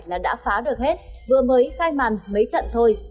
là đã phá được hết vừa mới khai màn mấy trận thôi